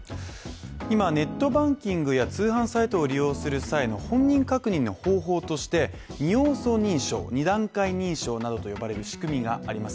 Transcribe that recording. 今ネットバンキングや通販サイトを利用する際の本人確認の方法として２要素認証、２段階認証などと呼ばれる仕組みがあります。